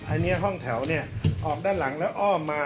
อันนี้ห้องแถวเนี่ยออกด้านหลังแล้วอ้อมมา